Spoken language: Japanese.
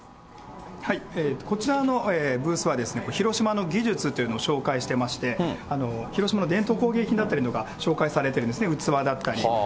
こちらのブースは広島の技術というものを紹介してまして、広島の伝統工芸品だったりとか紹介されてるんですね、器だったり。